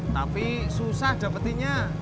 tapi susah dapetinnya